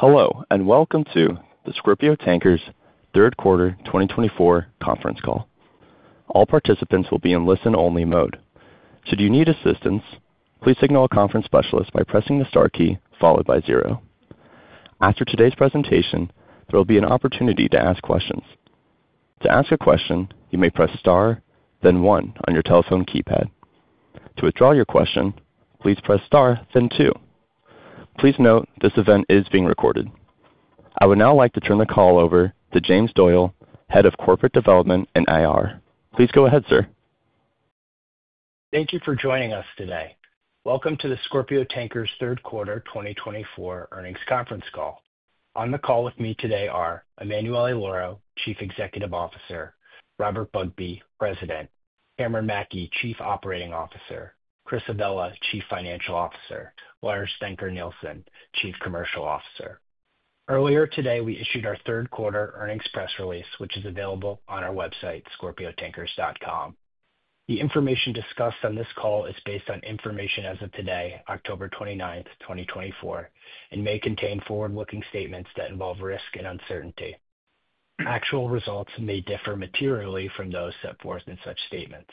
Hello, and welcome to the Scorpio Tankers Third Quarter 2024 Conference Call. All participants will be in listen-only mode. Should you need assistance, please signal a conference specialist by pressing the star key followed by zero. After today's presentation, there will be an opportunity to ask questions. To ask a question, you may press star, then one, on your telephone keypad. To withdraw your question, please press star, then two. Please note this event is being recorded. I would now like to turn the call over to James Doyle, Head of Corporate Development and IR. Please go ahead, sir. Thank you for joining us today. Welcome to the Scorpio Tankers Third Quarter 2024 Earnings Conference Call. On the call with me today are Emanuele Lauro, Chief Executive Officer, Robert Bugbee, President, Cameron Mackey, Chief Operating Officer, Chris Avella, Chief Financial Officer, and Lars Dencker Nielsen, Chief Commercial Officer. Earlier today, we issued our third quarter earnings press release, which is available on our website, scorpiotankers.com. The information discussed on this call is based on information as of today, October 29th, 2024, and may contain forward-looking statements that involve risk and uncertainty. Actual results may differ materially from those set forth in such statements.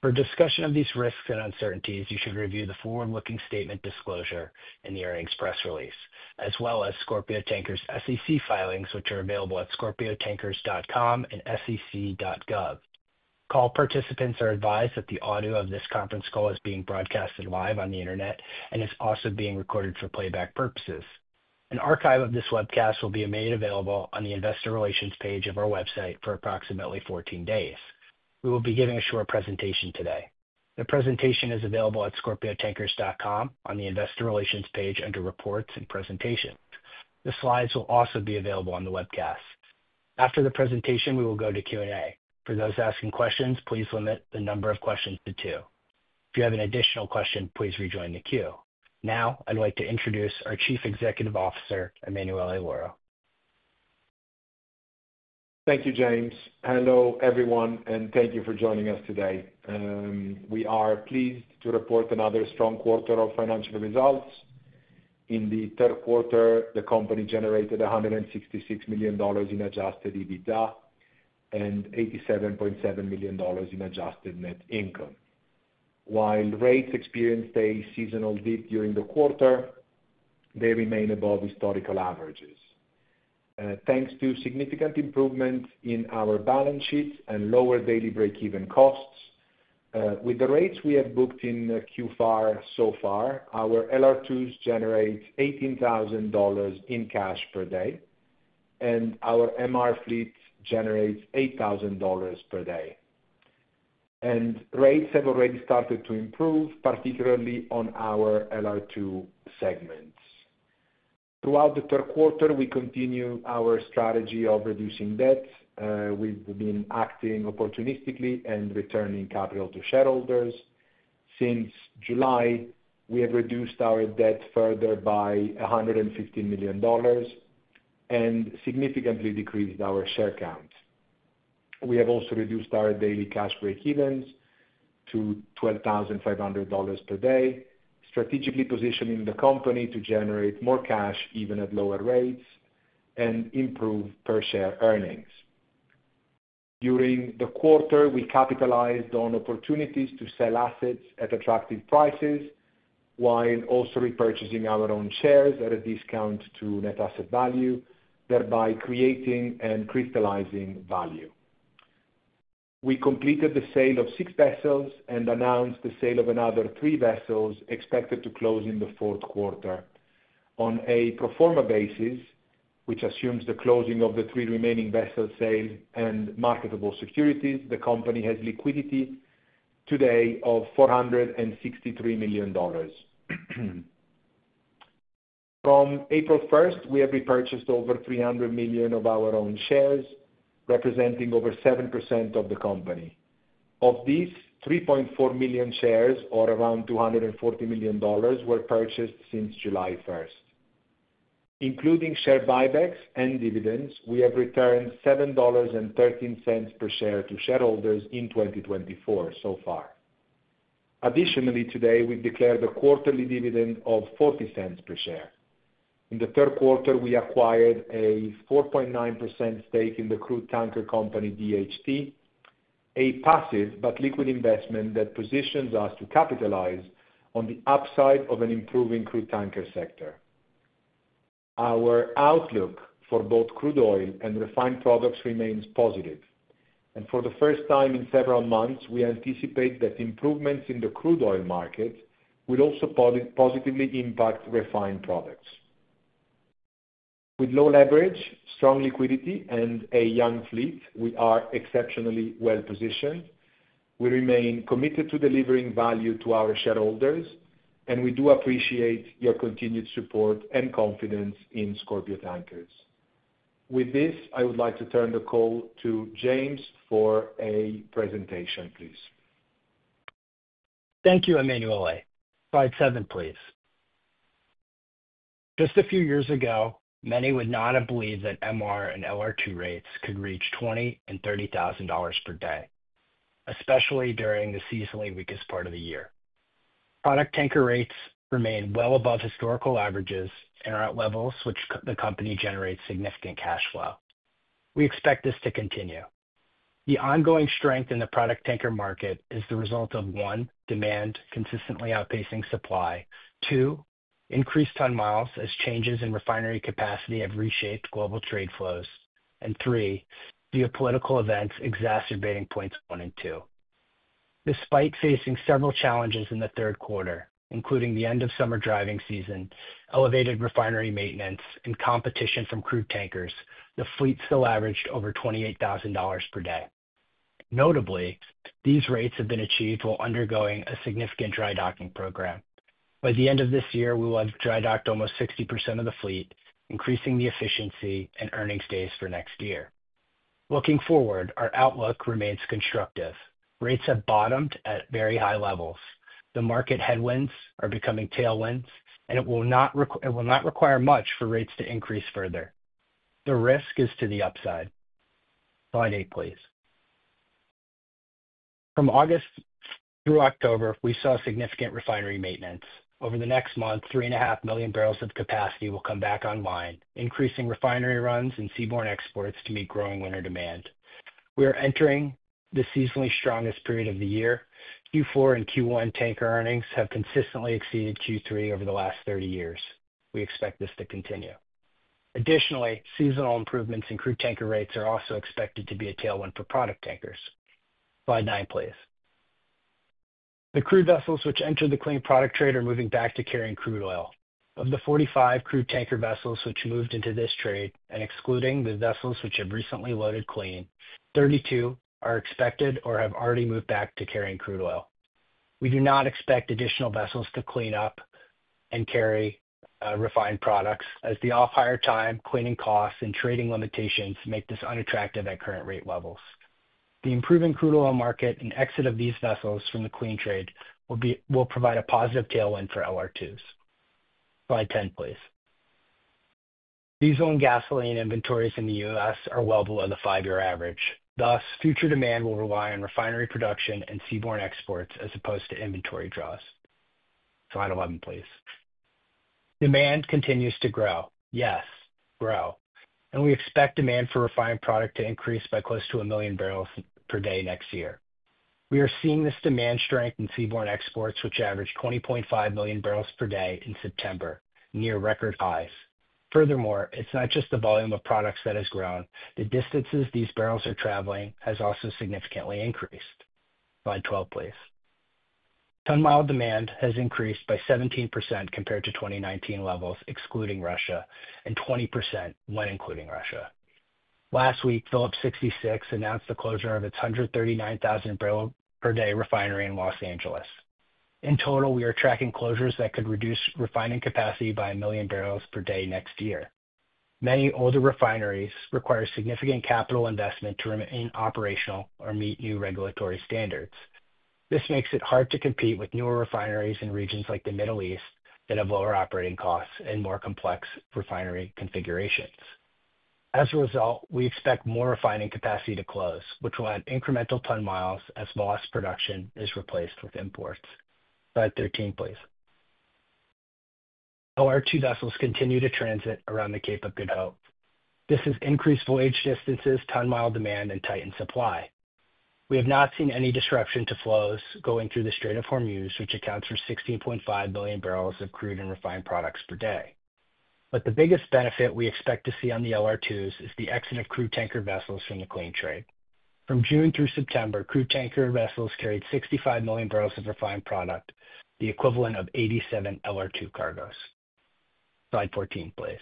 For discussion of these risks and uncertainties, you should review the forward-looking statement disclosure in the earnings press release, as well as Scorpio Tankers' SEC filings, which are available at scorpiotankers.com and sec.gov. Call participants are advised that the audio of this conference call is being broadcasted live on the Internet and is also being recorded for playback purposes. An archive of this webcast will be made available on the Investor Relations page of our website for approximately 14 days. We will be giving a short presentation today. The presentation is available at scorpiotankers.com on the Investor Relations page under Reports and Presentations. The slides will also be available on the webcast. After the presentation, we will go to Q&A. For those asking questions, please limit the number of questions to two. If you have an additional question, please rejoin the queue. Now, I'd like to introduce our Chief Executive Officer, Emanuele Lauro. Thank you, James. Hello, everyone, and thank you for joining us today. We are pleased to report another strong quarter of financial results. In the third quarter, the company generated $166 million in adjusted EBITDA and $87.7 million in adjusted net income. While rates experienced a seasonal dip during the quarter, they remain above historical averages. Thanks to significant improvements in our balance sheets and lower daily break-even costs, with the rates we have booked in Q4 so far, our LR2s generate $18,000 in cash per day, and our MR fleet generates $8,000 per day, and rates have already started to improve, particularly on our LR2 segments. Throughout the third quarter, we continue our strategy of reducing debt. We've been acting opportunistically and returning capital to shareholders. Since July, we have reduced our debt further by $115 million and significantly decreased our share count. We have also reduced our daily cash break-evens to $12,500 per day, strategically positioning the company to generate more cash even at lower rates and improve per-share earnings. During the quarter, we capitalized on opportunities to sell assets at attractive prices while also repurchasing our own shares at a discount to net asset value, thereby creating and crystallizing value. We completed the sale of six vessels and announced the sale of another three vessels expected to close in the fourth quarter. On a pro forma basis, which assumes the closing of the three remaining vessel sales and marketable securities, the company has liquidity today of $463 million. From April 1st, we have repurchased over $300 million of our own shares, representing over 7% of the company. Of these, 3.4 million shares, or around $240 million, were purchased since July 1st. Including share buybacks and dividends, we have returned $7.13 per share to shareholders in 2024 so far. Additionally, today, we've declared a quarterly dividend of $0.40 per share. In the third quarter, we acquired a 4.9% stake in the crude tanker company DHT, a passive but liquid investment that positions us to capitalize on the upside of an improving crude tanker sector. Our outlook for both crude oil and refined products remains positive, and for the first time in several months, we anticipate that improvements in the crude oil market will also positively impact refined products. With low leverage, strong liquidity, and a young fleet, we are exceptionally well-positioned. We remain committed to delivering value to our shareholders, and we do appreciate your continued support and confidence in Scorpio Tankers. With this, I would like to turn the call to James for a presentation, please. Thank you, Emanuele. Slide 7, please. Just a few years ago, many would not have believed that MR and LR2 rates could reach $20,000 and $30,000 per day, especially during the seasonally weakest part of the year. Product tanker rates remain well above historical averages and are at levels which the company generates significant cash flow. We expect this to continue. The ongoing strength in the product tanker market is the result of, one, demand consistently outpacing supply, two, increased ton miles as changes in refinery capacity have reshaped global trade flows, and three, geopolitical events exacerbating points one and two. Despite facing several challenges in the third quarter, including the end of summer driving season, elevated refinery maintenance, and competition from crude tankers, the fleet still averaged over $28,000 per day. Notably, these rates have been achieved while undergoing a significant drydocking program. By the end of this year, we will have drydocked almost 60% of the fleet, increasing the efficiency and earnings days for next year. Looking forward, our outlook remains constructive. Rates have bottomed at very high levels. The market headwinds are becoming tailwinds, and it will not require much for rates to increase further. The risk is to the upside. Slide 8, please. From August through October, we saw significant refinery maintenance. Over the next month, 3.5 million barrels of capacity will come back online, increasing refinery runs and seaborne exports to meet growing winter demand. We are entering the seasonally strongest period of the year. Q4 and Q1 tanker earnings have consistently exceeded Q3 over the last 30 years. We expect this to continue. Additionally, seasonal improvements in crude tanker rates are also expected to be a tailwind for product tankers. Slide 9, please. The crude vessels which entered the clean product trade are moving back to carrying crude oil. Of the 45 crude tanker vessels which moved into this trade, and excluding the vessels which have recently loaded clean, 32 are expected or have already moved back to carrying crude oil. We do not expect additional vessels to clean up and carry refined products, as the off-hire time, cleaning costs, and trading limitations make this unattractive at current rate levels. The improving crude oil market and exit of these vessels from the clean trade will provide a positive tailwind for LR2s. Slide 10, please. Diesel and gasoline inventories in the U.S. are well below the five-year average. Thus, future demand will rely on refinery production and seaborne exports as opposed to inventory draws. Slide 11, please. Demand continues to grow. Yes, grow. And we expect demand for refined product to increase by close to a million barrels per day next year. We are seeing this demand strength in seaborne exports, which averaged 20.5 million barrels per day in September, near record highs. Furthermore, it's not just the volume of products that has grown. The distances these barrels are traveling have also significantly increased. Slide 12, please. Ton-mile demand has increased by 17% compared to 2019 levels, excluding Russia, and 20% when including Russia. Last week, Phillips 66 announced the closure of its 139,000-barrel-per-day refinery in Los Angeles. In total, we are tracking closures that could reduce refining capacity by a million barrels per day next year. Many older refineries require significant capital investment to remain operational or meet new regulatory standards. This makes it hard to compete with newer refineries in regions like the Middle East that have lower operating costs and more complex refinery configurations. As a result, we expect more refining capacity to close, which will add incremental ton-miles as lost production is replaced with imports. Slide 13, please. LR2 vessels continue to transit around the Cape of Good Hope. This has increased voyage distances, ton-mile demand, and tightened supply. We have not seen any disruption to flows going through the Strait of Hormuz, which accounts for 16.5 million barrels of crude and refined products per day. But the biggest benefit we expect to see on the LR2s is the exit of crude tanker vessels from the clean trade. From June through September, crude tanker vessels carried 65 million barrels of refined product, the equivalent of 87 LR2 cargoes. Slide 14, please.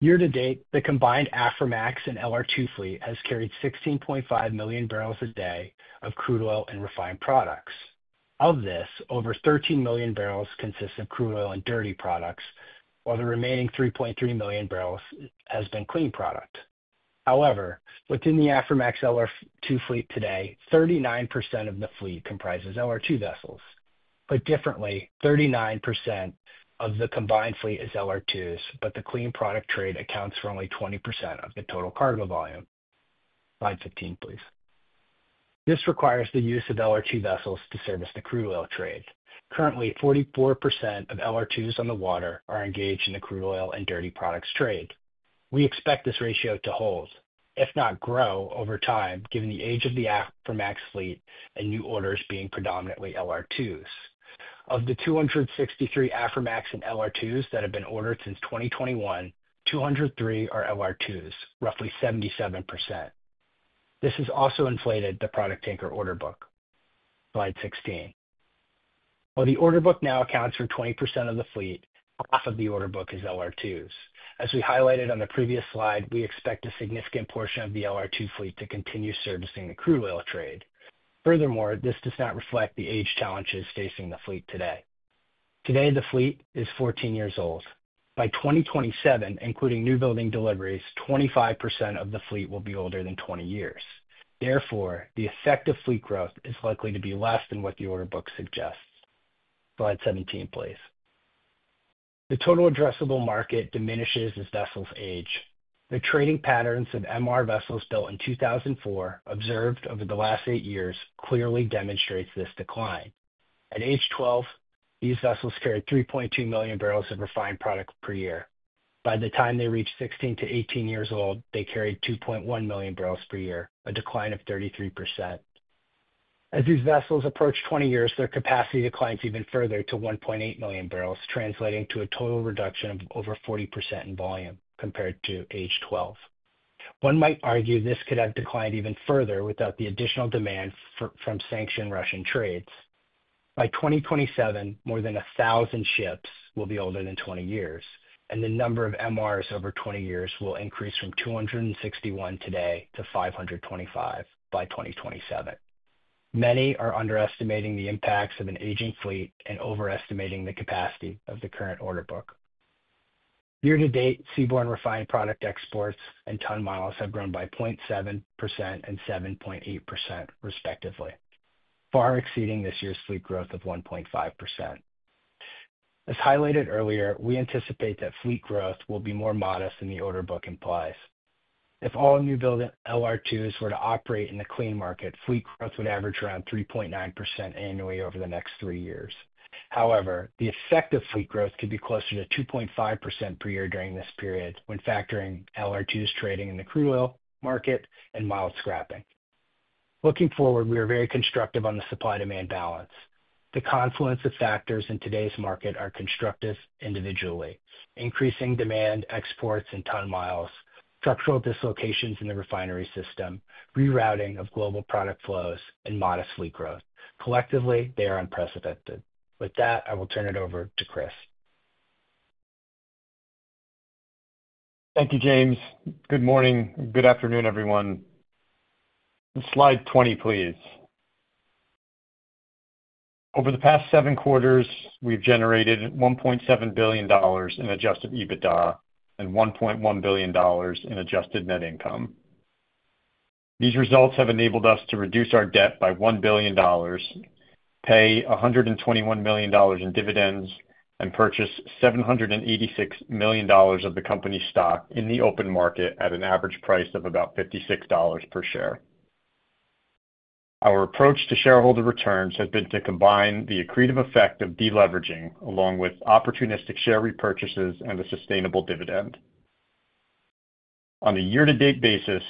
Year to date, the combined Aframax and LR2 fleet has carried 16.5 million barrels a day of crude oil and refined products. Of this, over 13 million barrels consist of crude oil and dirty products, while the remaining 3.3 million barrels has been clean product. However, within the Aframax LR2 fleet today, 39% of the fleet comprises LR2 vessels. Put differently, 39% of the combined fleet is LR2s, but the clean product trade accounts for only 20% of the total cargo volume. Slide 15, please. This requires the use of LR2 vessels to service the crude oil trade. Currently, 44% of LR2s on the water are engaged in the crude oil and dirty products trade. We expect this ratio to hold, if not grow over time, given the age of the Aframax fleet and new orders being predominantly LR2s. Of the 263 Aframax and LR2s that have been ordered since 2021, 203 are LR2s, roughly 77%. This has also inflated the product tanker order book. Slide 16. While the order book now accounts for 20% of the fleet, half of the order book is LR2s. As we highlighted on the previous slide, we expect a significant portion of the LR2 fleet to continue servicing the crude oil trade. Furthermore, this does not reflect the age challenges facing the fleet today. Today, the fleet is 14 years old. By 2027, including newbuilding deliveries, 25% of the fleet will be older than 20 years. Therefore, the effective fleet growth is likely to be less than what the order book suggests. Slide 17, please. The total addressable market diminishes as vessels age. The trading patterns of MR vessels built in 2004, observed over the last eight years, clearly demonstrate this decline. At age 12, these vessels carried 3.2 million barrels of refined product per year. By the time they reached 16-18 years old, they carried 2.1 million barrels per year, a decline of 33%. As these vessels approach 20 years, their capacity declines even further to 1.8 million barrels, translating to a total reduction of over 40% in volume compared to age 12. One might argue this could have declined even further without the additional demand from sanctioned Russian trades. By 2027, more than 1,000 ships will be older than 20 years, and the number of MRs over 20 years will increase from 261 today to 525 by 2027. Many are underestimating the impacts of an aging fleet and overestimating the capacity of the current order book. Year-to-date, seaborne refined product exports and ton miles have grown by 0.7% and 7.8%, respectively, far exceeding this year's fleet growth of 1.5%. As highlighted earlier, we anticipate that fleet growth will be more modest than the order book implies. If all new built LR2s were to operate in the clean market, fleet growth would average around 3.9% annually over the next three years. However, the effective fleet growth could be closer to 2.5% per year during this period, when factoring LR2s trading in the crude oil market and mild scrapping. Looking forward, we are very constructive on the supply-demand balance. The confluence of factors in today's market are constructive individually. Increasing demand, exports, and ton miles, structural dislocations in the refinery system, rerouting of global product flows, and modest fleet growth. Collectively, they are unprecedented. With that, I will turn it over to Chris. Thank you, James. Good morning. Good afternoon, everyone. Slide 20, please. Over the past seven quarters, we've generated $1.7 billion in adjusted EBITDA and $1.1 billion in adjusted net income. These results have enabled us to reduce our debt by $1 billion, pay $121 million in dividends, and purchase $786 million of the company's stock in the open market at an average price of about $56 per share. Our approach to shareholder returns has been to combine the accretive effect of deleveraging, along with opportunistic share repurchases and a sustainable dividend. On a year-to-date basis,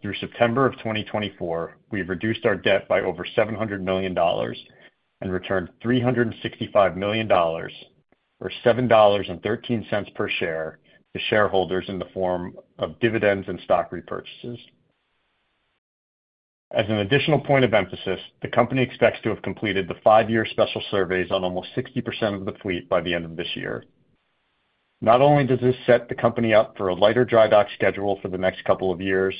through September of 2024, we've reduced our debt by over $700 million and returned $365 million, or $7.13 per share, to shareholders in the form of dividends and stock repurchases. As an additional point of emphasis, the company expects to have completed the five-year special surveys on almost 60% of the fleet by the end of this year. Not only does this set the company up for a lighter dry dock schedule for the next couple of years,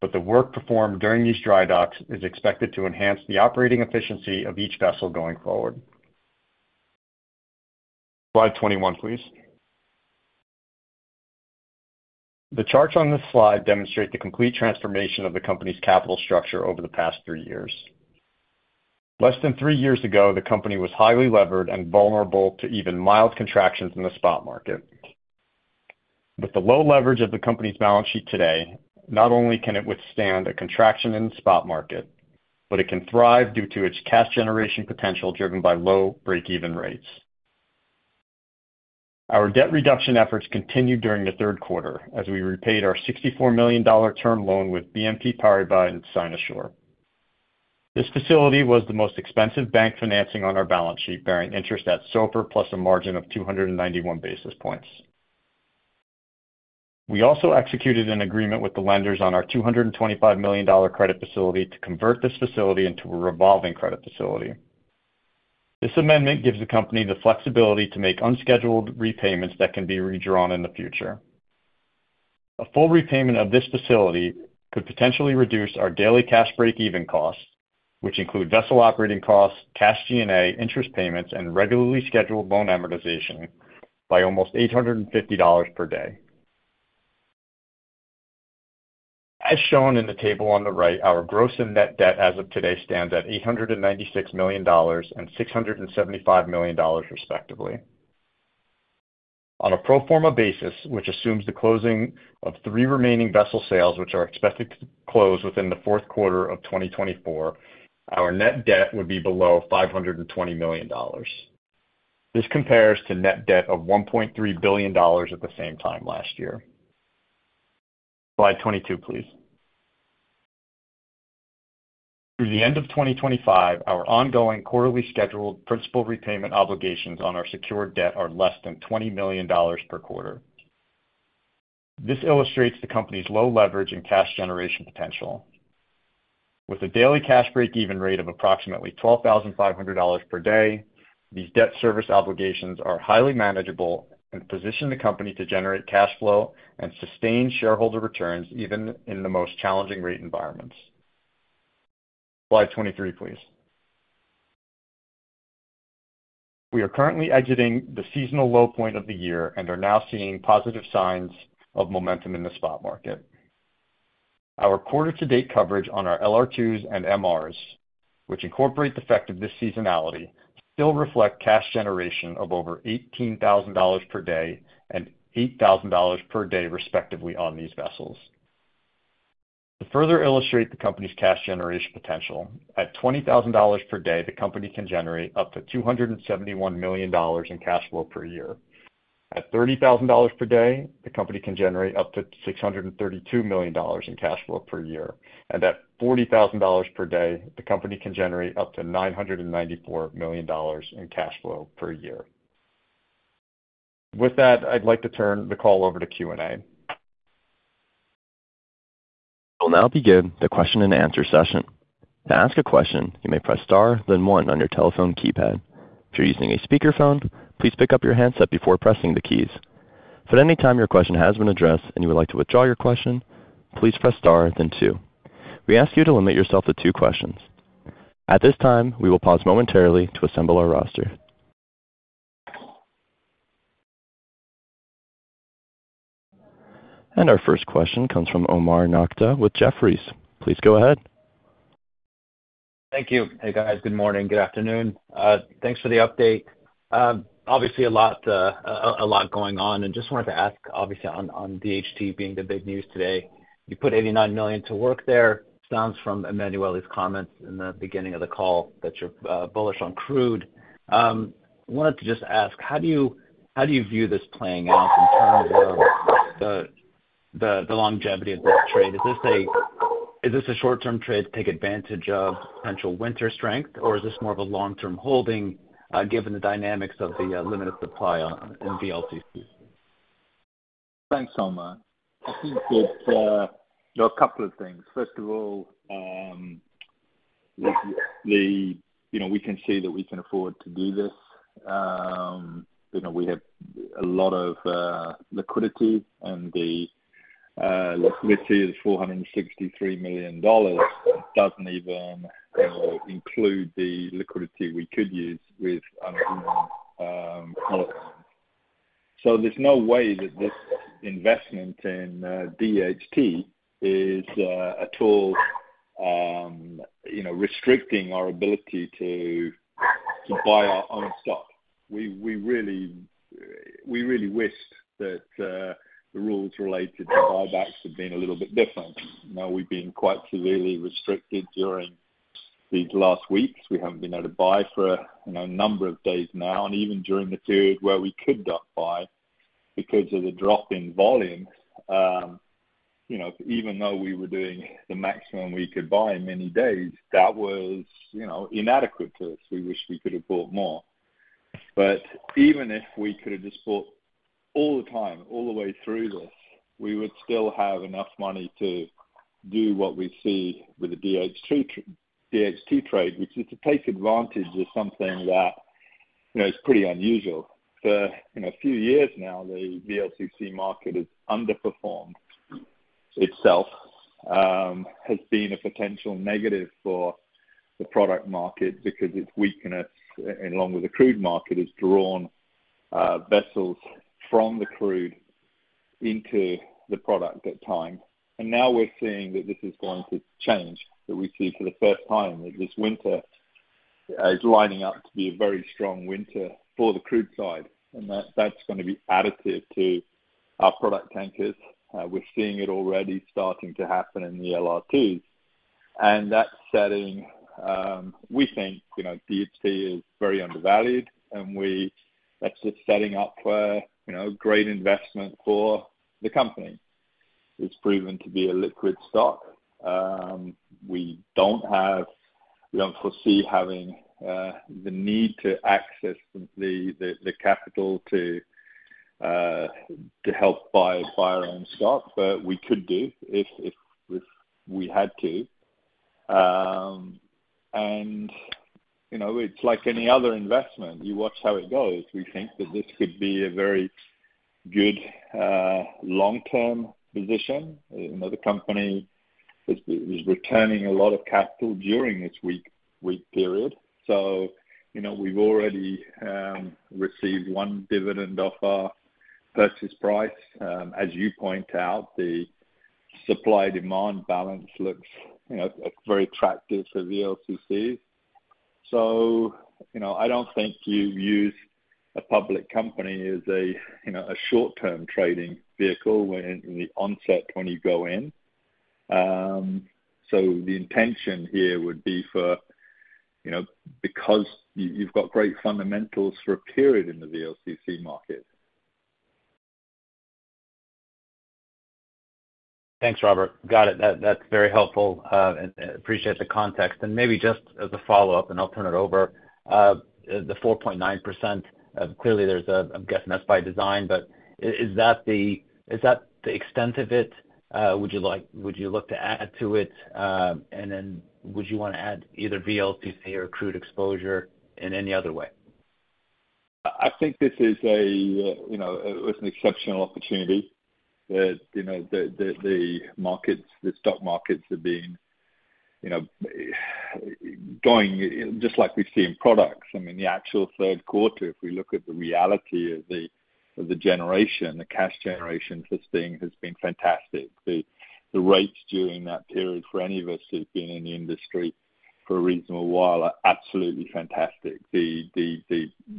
but the work performed during these dry docks is expected to enhance the operating efficiency of each vessel going forward. Slide 21, please. The charts on this slide demonstrate the complete transformation of the company's capital structure over the past three years. Less than three years ago, the company was highly levered and vulnerable to even mild contractions in the spot market. With the low leverage of the company's balance sheet today, not only can it withstand a contraction in the spot market, but it can thrive due to its cash generation potential driven by low break-even rates. Our debt reduction efforts continued during the third quarter as we repaid our $64 million term loan with BNP Paribas and Sinosure. This facility was the most expensive bank financing on our balance sheet, bearing interest at SOFR + a margin of 291 basis points. We also executed an agreement with the lenders on our $225 million credit facility to convert this facility into a revolving credit facility. This amendment gives the company the flexibility to make unscheduled repayments that can be redrawn in the future. A full repayment of this facility could potentially reduce our daily cash break-even costs, which include vessel operating costs, cash G&A, interest payments, and regularly scheduled loan amortization, by almost $850 per day. As shown in the table on the right, our gross and net debt as of today stands at $896 million and $675 million, respectively. On a pro forma basis, which assumes the closing of three remaining vessel sales, which are expected to close within the fourth quarter of 2024, our net debt would be below $520 million. This compares to net debt of $1.3 billion at the same time last year. Slide 22, please. Through the end of 2025, our ongoing quarterly scheduled principal repayment obligations on our secured debt are less than $20 million per quarter. This illustrates the company's low leverage and cash generation potential. With a daily cash break-even rate of approximately $12,500 per day, these debt service obligations are highly manageable and position the company to generate cash flow and sustain shareholder returns even in the most challenging rate environments. Slide 23, please. We are currently exiting the seasonal low point of the year and are now seeing positive signs of momentum in the spot market. Our quarter-to-date coverage on our LR2s and MRs, which incorporate the effect of this seasonality, still reflects cash generation of over $18,000 per day and $8,000 per day, respectively, on these vessels. To further illustrate the company's cash generation potential, at $20,000 per day, the company can generate up to $271 million in cash flow per year. At $30,000 per day, the company can generate up to $632 million in cash flow per year, and at $40,000 per day, the company can generate up to $994 million in cash flow per year. With that, I'd like to turn the call over to Q&A. We will now begin the question-and-answer session. To ask a question, you may press star, then one on your telephone keypad. If you're using a speakerphone, please pick up your handset before pressing the keys. For any time your question has been addressed and you would like to withdraw your question, please press star, then two. We ask you to limit yourself to two questions. At this time, we will pause momentarily to assemble our roster, and our first question comes from Omar Nokta with Jefferies. Please go ahead. Thank you. Hey, guys. Good morning. Good afternoon. Thanks for the update. Obviously, a lot going on, and just wanted to ask, obviously, on DHT being the big news today, you put $89 million to work there. Sounds from Emanuele's comments in the beginning of the call that you're bullish on crude. I wanted to just ask, how do you view this playing out in terms of the longevity of this trade? Is this a short-term trade to take advantage of potential winter strength, or is this more of a long-term holding given the dynamics of the limited supply in VLCC? Thanks, Omar. I think there are a couple of things. First of all, we can see that we can afford to do this. We have a lot of liquidity, and the liquidity is $463 million. It doesn't even include the liquidity we could use with our new products. So there's no way that this investment in DHT is at all restricting our ability to buy our own stock. We really wished that the rules related to buybacks had been a little bit different. We've been quite severely restricted during these last weeks. We haven't been able to buy for a number of days now, and even during the period where we could buy, because of the drop in volume, even though we were doing the maximum we could buy in many days, that was inadequate to us. We wished we could have bought more. But even if we could have just bought all the time, all the way through this, we would still have enough money to do what we see with the DHT trade, which is to take advantage of something that is pretty unusual. For a few years now, the VLCC market has underperformed itself, has been a potential negative for the product market because its weakness, along with the crude market, has drawn vessels from the crude into the product at times. And now we're seeing that this is going to change, that we see for the first time that this winter is lining up to be a very strong winter for the crude side. And that's going to be additive to our product tankers. We're seeing it already starting to happen in the LR1s. That's setting, we think, DHT is very undervalued, and that's just setting up for a great investment for the company. It's proven to be a liquid stock. We don't foresee having the need to access the capital to help buy our own stock, but we could do if we had to. It's like any other investment. You watch how it goes. We think that this could be a very good long-term position. The company is returning a lot of capital during this week period. We've already received one dividend of our purchase price. As you point out, the supply-demand balance looks very attractive for VLCCs. I don't think you use a public company as a short-term trading vehicle in the onset when you go in. The intention here would be for because you've got great fundamentals for a period in the VLCC market. Thanks, Robert. Got it. That's very helpful. I appreciate the context. And maybe just as a follow-up, and I'll turn it over, the 4.9%, clearly, I'm guessing that's by design, but is that the extent of it? Would you look to add to it? And then would you want to add either VLCC or crude exposure in any other way? I think this is an exceptional opportunity that the stock markets have been going, just like we've seen products. I mean, the actual third quarter, if we look at the reality of the generation, the cash generation has been fantastic. The rates during that period for any of us who've been in the industry for a reasonable while are absolutely fantastic. The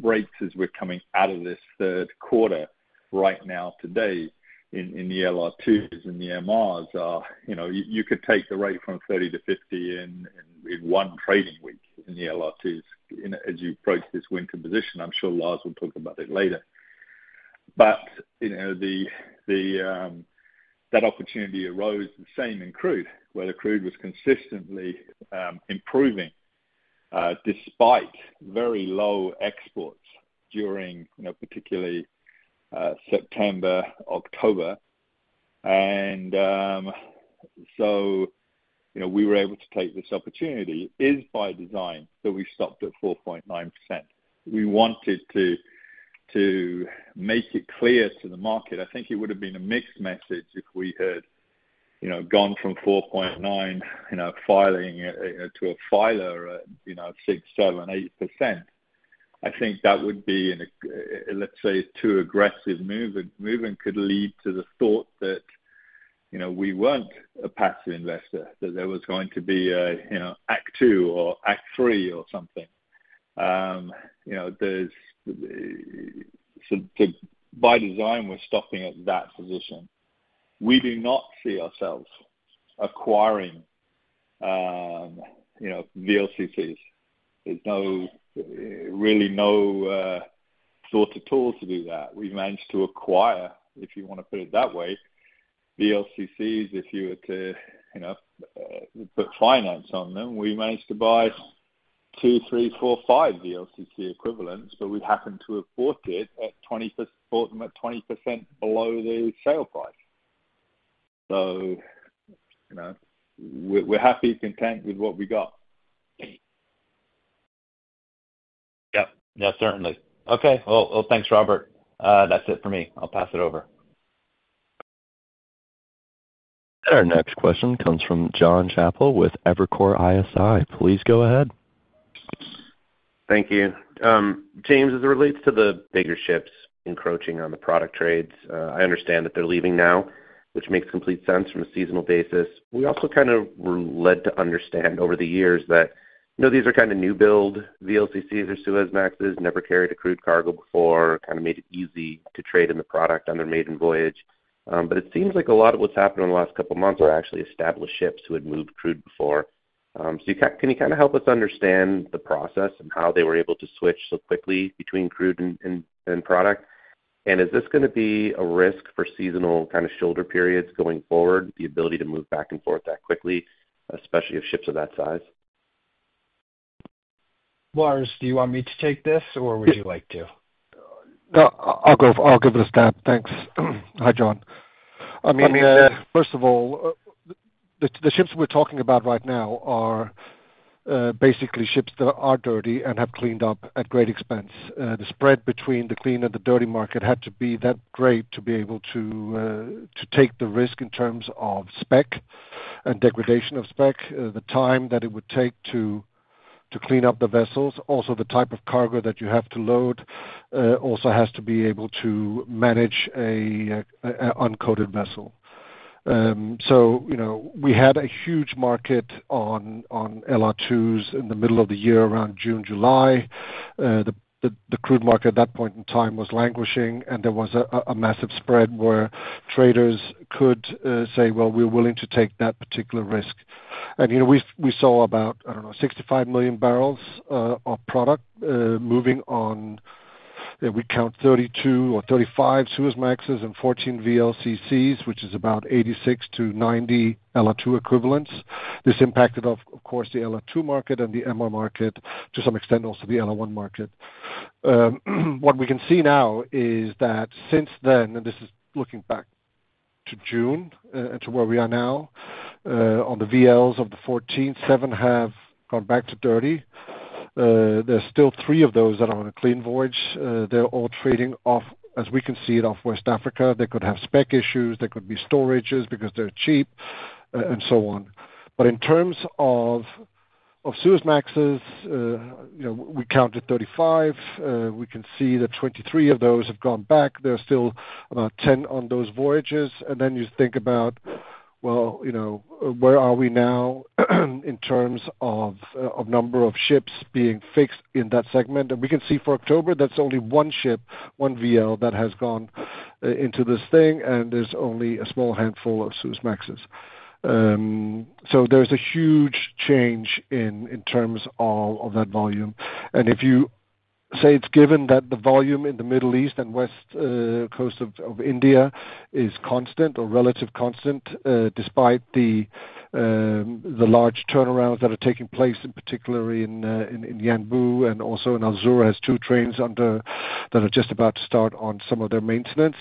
rates as we're coming out of this third quarter right now today in the LR2s and the MRs are. You could take the rate from 30-50 in one trading week in the LR2s as you approach this winter position. I'm sure Lars will talk about it later. But that opportunity arose, the same in crude, where the crude was consistently improving despite very low exports during, particularly, September, October. And so we were able to take this opportunity. It is by design that we stopped at 4.9%. We wanted to make it clear to the market. I think it would have been a mixed message if we had gone from 4.9 filing to a filing of 6, 7, 8%. I think that would be, let's say, too aggressive moving. Moving could lead to the thought that we weren't a passive investor, that there was going to be an act two or act three or something. By design, we're stopping at that position. We do not see ourselves acquiring VLCCs. There's really no thought at all to do that. We've managed to acquire, if you want to put it that way, VLCCs. If you were to put finance on them, we managed to buy two, three, four, five VLCC equivalents, but we happened to have bought them at 20% below the sale price. So we're happy and content with what we got. Yep. Yeah, certainly. Okay. Well, thanks, Robert. That's it for me. I'll pass it over. Our next question comes from John Chappell with Evercore ISI. Please go ahead. Thank you. James, as it relates to the bigger ships encroaching on the product trades, I understand that they're leaving now, which makes complete sense from a seasonal basis. We also kind of were led to understand over the years that these are kind of newbuild VLCCs or Suezmaxes, never carried a crude cargo before, kind of made it easy to trade in the product on their maiden voyage. But it seems like a lot of what's happened in the last couple of months were actually established ships who had moved crude before. So can you kind of help us understand the process and how they were able to switch so quickly between crude and product? And is this going to be a risk for seasonal kind of shoulder periods going forward, the ability to move back and forth that quickly, especially if ships are that size? Lars, do you want me to take this, or would you like to? I'll give it a stab. Thanks. Hi, John. I mean, first of all, the ships we're talking about right now are basically ships that are dirty and have cleaned up at great expense. The spread between the clean and the dirty market had to be that great to be able to take the risk in terms of spec and degradation of spec, the time that it would take to clean up the vessels. Also, the type of cargo that you have to load also has to be able to manage an uncoated vessel. So we had a huge market on LR2s in the middle of the year, around June, July. The crude market at that point in time was languishing, and there was a massive spread where traders could say, "Well, we're willing to take that particular risk," and we saw about, I don't know, 65 million barrels of product moving on. We count 32 or 35 Suezmaxes and 14 VLCCs, which is about 86-90 LR2 equivalents. This impacted, of course, the LR2 market and the MR market, to some extent, also the LR1 market. What we can see now is that since then, and this is looking back to June and to where we are now, on the VLCCs of the 14, seven have gone back to dirty. There's still three of those that are on a clean voyage. They're all trading off, as we can see it, off West Africa. They could have spec issues. There could be storages because they're cheap and so on. But in terms of Suezmaxes, we counted 35. We can see that 23 of those have gone back. There are still about 10 on those voyages. And then you think about, well, where are we now in terms of number of ships being fixed in that segment? And we can see for October, that's only one ship, one VLCC that has gone into this thing, and there's only a small handful of Suezmaxes. So there's a huge change in terms of that volume. And if you say it's given that the volume in the Middle East and West Coast of India is constant or relatively constant despite the large turnarounds that are taking place, in particular in Yanbu and also in Al-Zour, has two trains that are just about to start on some of their maintenance,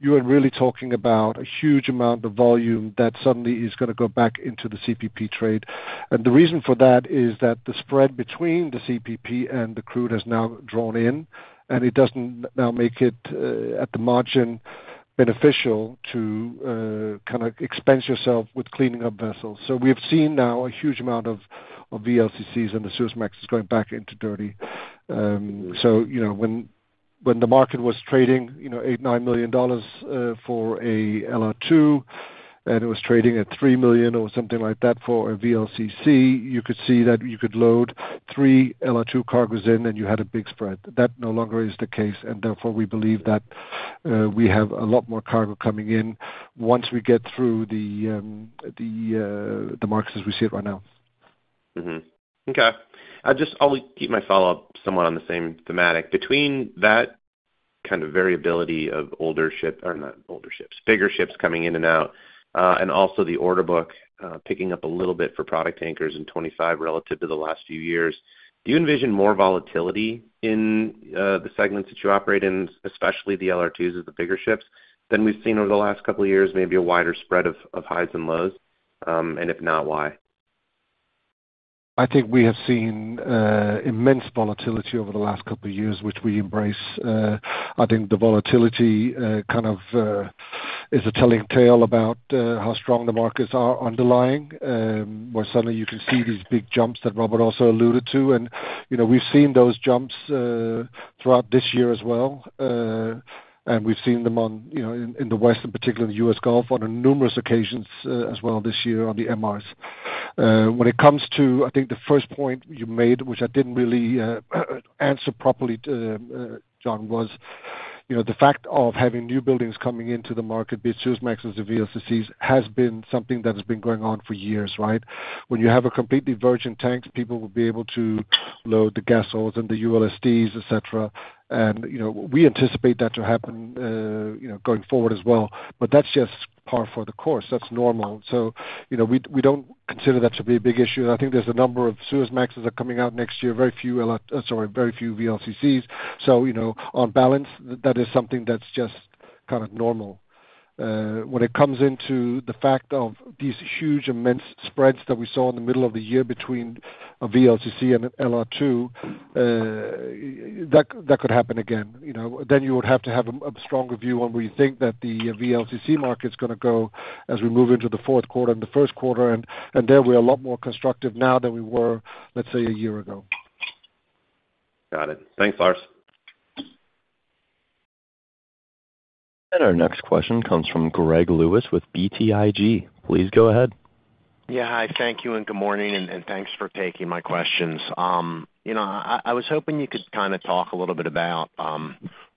you are really talking about a huge amount of volume that suddenly is going to go back into the CPP trade. And the reason for that is that the spread between the CPP and the crude has now drawn in, and it doesn't now make it, at the margin, beneficial to kind of expose yourself with cleaning up vessels. So we've seen now a huge amount of VLCCs and the Suezmaxes going back into dirty. So when the market was trading $8 million, $9 million for a LR2, and it was trading at $3 million or something like that for a VLCC, you could see that you could load three LR2 cargoes in, and you had a big spread. That no longer is the case. And therefore, we believe that we have a lot more cargo coming in once we get through the market as we see it right now. Okay. I'll keep my follow-up somewhat on the same theme. Between that kind of variability of older ships or not older ships, bigger ships coming in and out, and also the order book picking up a little bit for product tankers and MRs relative to the last few years, do you envision more volatility in the segments that you operate in, especially the LR2s as the bigger ships than we've seen over the last couple of years, maybe a wider spread of highs and lows? And if not, why? I think we have seen immense volatility over the last couple of years, which we embrace. I think the volatility kind of is a telling tale about how strong the markets are underlying, where suddenly you can see these big jumps that Robert also alluded to, and we've seen those jumps throughout this year as well, and we've seen them in the West, in particular in the U.S. Gulf, on numerous occasions as well this year on the MRs. When it comes to, I think the first point you made, which I didn't really answer properly, John, was the fact of having newbuildings coming into the market, be it Suezmaxes or VLCCs, has been something that has been going on for years, right? When you have completely virgin tanks, people will be able to load the gas oils and the ULSDs, etc. We anticipate that to happen going forward as well. But that's just par for the course. That's normal. So we don't consider that to be a big issue. And I think there's a number of Suezmaxes that are coming out next year, very few VLCCs. So on balance, that is something that's just kind of normal. When it comes into the fact of these huge, immense spreads that we saw in the middle of the year between a VLCC and an LR2, that could happen again. Then you would have to have a stronger view on where you think that the VLCC market's going to go as we move into the fourth quarter and the first quarter. And there we are a lot more constructive now than we were, let's say, a year ago. Got it. Thanks, Lars. Our next question comes from Greg Lewis with BTIG. Please go ahead. Yeah. Hi. Thank you and good morning. And thanks for taking my questions. I was hoping you could kind of talk a little bit about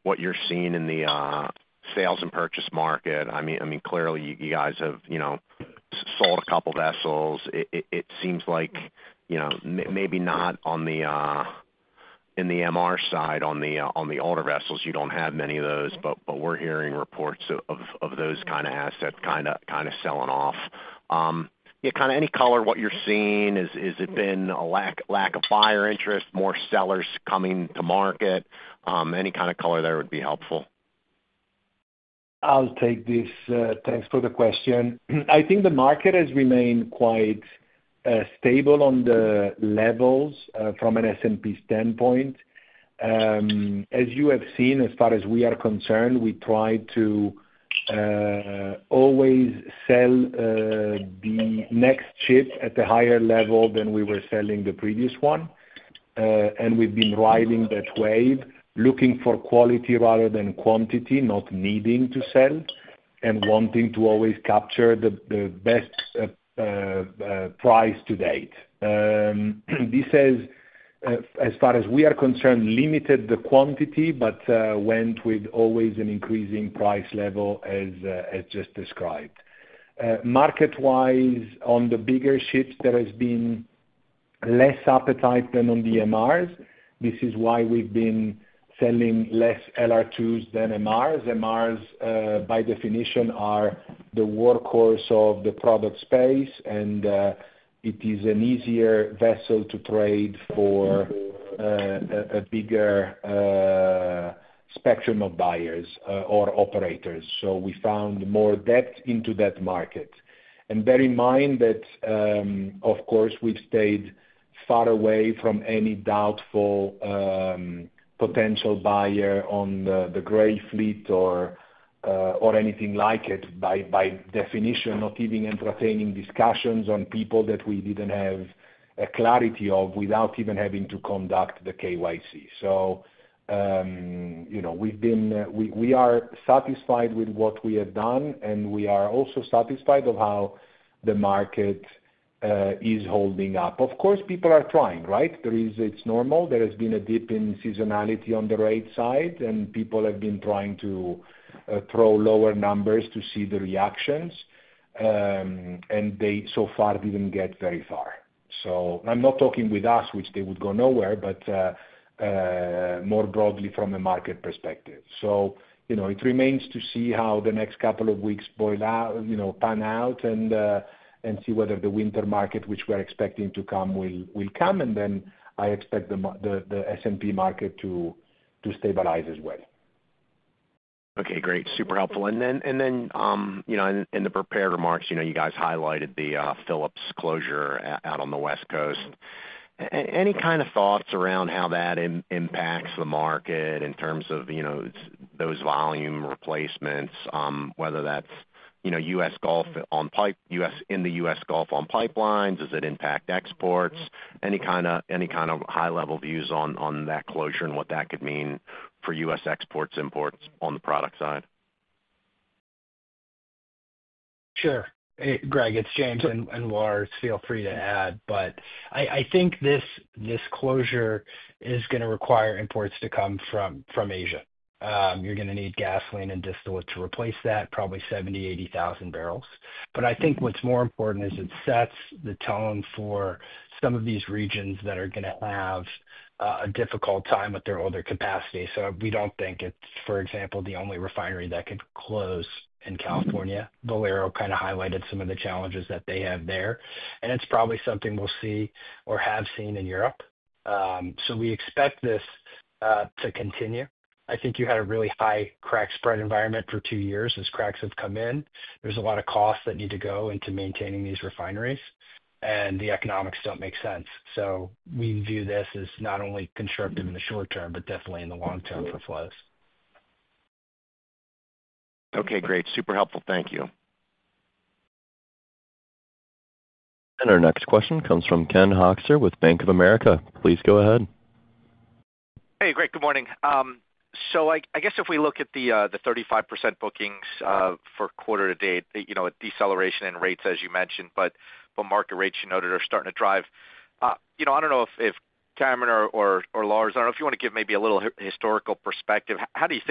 what you're seeing in the sales and purchase market. I mean, clearly, you guys have sold a couple of vessels. It seems like maybe not in the MR side, on the older vessels, you don't have many of those. But we're hearing reports of those kind of assets kind of selling off. Yeah. Kind of any color what you're seeing? Has it been a lack of buyer interest, more sellers coming to market? Any kind of color there would be helpful. I'll take this. Thanks for the question. I think the market has remained quite stable on the levels from an S&P standpoint. As you have seen, as far as we are concerned, we try to always sell the next ship at a higher level than we were selling the previous one. And we've been riding that wave, looking for quality rather than quantity, not needing to sell, and wanting to always capture the best price to date. This has, as far as we are concerned, limited the quantity but went with always an increasing price level as just described. Market-wise, on the bigger ships, there has been less appetite than on the MRs. This is why we've been selling less LR2s than MRs. MRs, by definition, are the workhorse of the product space, and it is an easier vessel to trade for a bigger spectrum of buyers or operators. So we found more depth into that market. And bear in mind that, of course, we've stayed far away from any doubtful potential buyer on the gray fleet or anything like it, by definition, not even entertaining discussions on people that we didn't have clarity of without even having to conduct the KYC. So we are satisfied with what we have done, and we are also satisfied of how the market is holding up. Of course, people are trying, right? It's normal. There has been a dip in seasonality on the right side, and people have been trying to throw lower numbers to see the reactions. And they so far didn't get very far. So I'm not talking about us, which they would go nowhere, but more broadly from a market perspective. So it remains to see how the next couple of weeks pan out and see whether the winter market, which we're expecting to come, will come. And then I expect the spot market to stabilize as well. Okay. Great. Super helpful. And then in the prepared remarks, you guys highlighted the Phillips closure out on the West Coast. Any kind of thoughts around how that impacts the market in terms of those volume replacements, whether that's U.S. Gulf in the U.S. Gulf on pipelines? Does it impact exports? Any kind of high-level views on that closure and what that could mean for U.S. exports, imports on the product side? Sure. Greg, it's James and Lars, feel free to add. But I think this closure is going to require imports to come from Asia. You're going to need gasoline and distillate to replace that, probably 70,000-80,000 barrels. But I think what's more important is it sets the tone for some of these regions that are going to have a difficult time with their older capacity. So we don't think it's, for example, the only refinery that could close in California. Valero kind of highlighted some of the challenges that they have there. And it's probably something we'll see or have seen in Europe. So we expect this to continue. I think you had a really high crack spread environment for two years as cracks have come in. There's a lot of costs that need to go into maintaining these refineries, and the economics don't make sense. So we view this as not only constructive in the short term but definitely in the long term for flows. Okay. Great. Super helpful. Thank you. Our next question comes from Ken Hoexter with Bank of America. Please go ahead. Hey, Great. Good morning. So I guess if we look at the 35% bookings for quarter-to-date, deceleration in rates, as you mentioned, but market rates you noted are starting to drive. I don't know if Cameron or Lars, I don't know if you want to give maybe a little historical perspective. How do you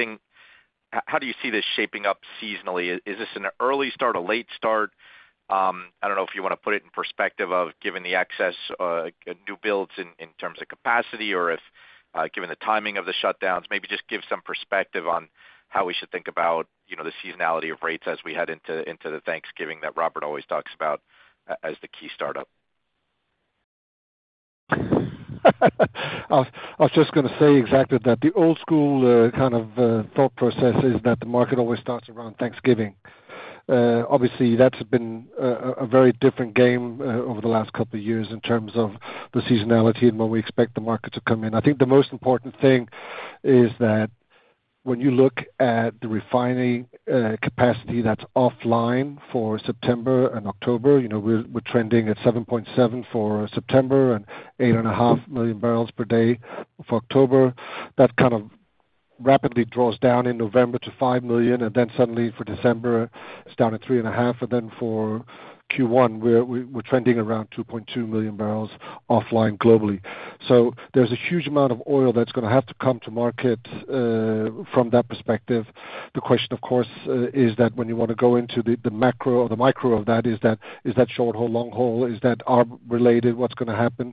see this shaping up seasonally? Is this an early start, a late start? I don't know if you want to put it in perspective of given the excess newbuilds in terms of capacity or given the timing of the shutdowns. Maybe just give some perspective on how we should think about the seasonality of rates as we head into the Thanksgiving that Robert always talks about as the key startup. I was just going to say exactly that the old-school kind of thought process is that the market always starts around Thanksgiving. Obviously, that's been a very different game over the last couple of years in terms of the seasonality and when we expect the market to come in. I think the most important thing is that when you look at the refining capacity that's offline for September and October, we're trending at 7.7 for September and 8.5 million barrels per day for October. That kind of rapidly draws down in November to 5 million, and then suddenly for December, it's down to 3.5. And then for Q1, we're trending around 2.2 million barrels offline globally. So there's a huge amount of oil that's going to have to come to market from that perspective. The question, of course, is that when you want to go into the macro or the micro of that, is that short-haul, long-haul? Is that arb-related what's going to happen?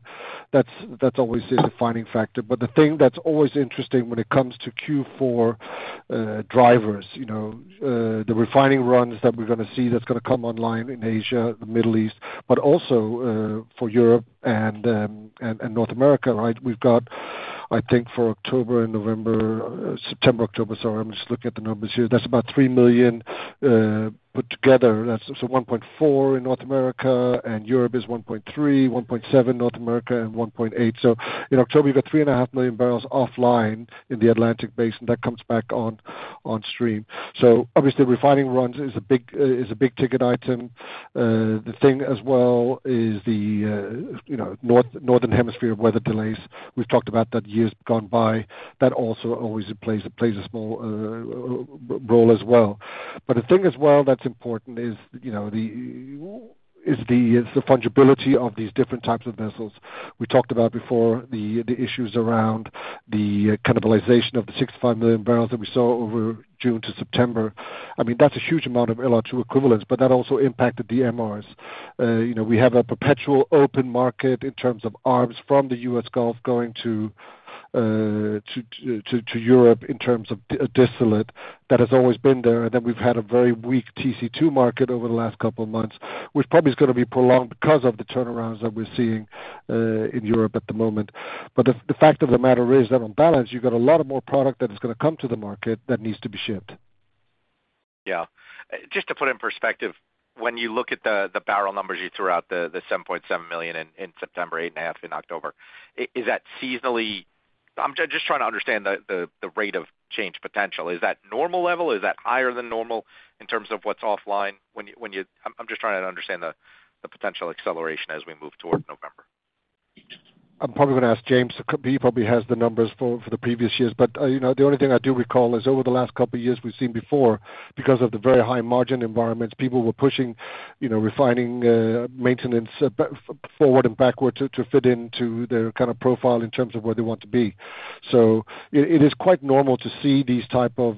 That's always a defining factor. But the thing that's always interesting when it comes to Q4 drivers, the refining runs that we're going to see that's going to come online in Asia, the Middle East, but also for Europe and North America, right? We've got, I think, for October and November, September, October, sorry, I'm just looking at the numbers here. That's about 3 million put together. That's 1.4 in North America, and Europe is 1.3, 1.7 North America, and 1.8. So in October, you've got 3.5 million barrels offline in the Atlantic Basin. That comes back on stream. So obviously, refining runs is a big-ticket item. The thing as well is the Northern Hemisphere weather delays. We've talked about that in years gone by. That also always plays a small role as well. But the thing as well that's important is the fungibility of these different types of vessels. We talked about before the issues around the cannibalization of the 65 million barrels that we saw over June to September. I mean, that's a huge amount of LR2 equivalents, but that also impacted the MRs. We have a perpetual open market in terms of arbs from the U.S. Gulf going to Europe in terms of distillate. That has always been there. And then we've had a very weak TC2 market over the last couple of months, which probably is going to be prolonged because of the turnarounds that we're seeing in Europe at the moment. But the fact of the matter is that on balance, you've got a lot more product that is going to come to the market that needs to be shipped. Yeah. Just to put it in perspective, when you look at the barrel numbers you threw out, the 7.7 million in September, 8.5 million in October, is that seasonally? I'm just trying to understand the rate of change potential. Is that normal level? Is that higher than normal in terms of what's offline? I'm just trying to understand the potential acceleration as we move toward November. I'm probably going to ask James. He probably has the numbers for the previous years. But the only thing I do recall is over the last couple of years we've seen before, because of the very high margin environments, people were pushing refining maintenance forward and backward to fit into their kind of profile in terms of where they want to be. So it is quite normal to see these types of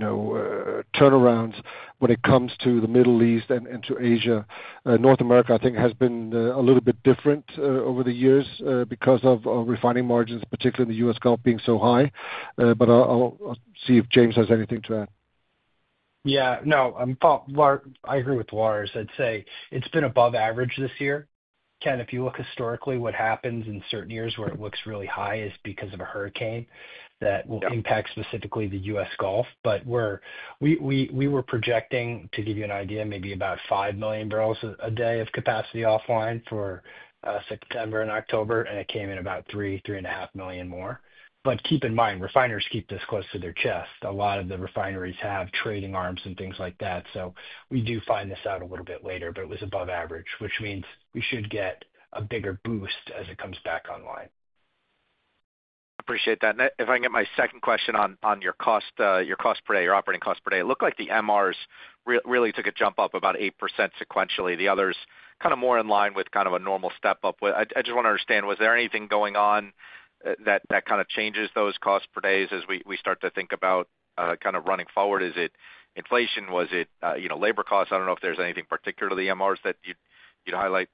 turnarounds when it comes to the Middle East and to Asia. North America, I think, has been a little bit different over the years because of refining margins, particularly in the U.S. Gulf, being so high. But I'll see if James has anything to add. Yeah. No, I agree with Lars. I'd say it's been above average this year. Ken, if you look historically, what happens in certain years where it looks really high is because of a hurricane that will impact specifically the U.S. Gulf. But we were projecting, to give you an idea, maybe about 5 million barrels a day of capacity offline for September and October, and it came in about 3 million, 3.5 million more. But keep in mind, refiners keep this close to their chest. A lot of the refineries have trading arms and things like that. So we do find this out a little bit later, but it was above average, which means we should get a bigger boost as it comes back online. Appreciate that. If I can get my second question on your cost per day, your operating cost per day, it looked like the MRs really took a jump up about 8% sequentially. The others kind of more in line with kind of a normal step up. I just want to understand, was there anything going on that kind of changes those costs per days as we start to think about kind of running forward? Is it inflation? Was it labor costs? I don't know if there's anything particular to the MRs that you'd highlight.